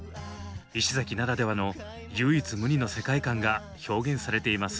石崎ならではの唯一無二の世界観が表現されています。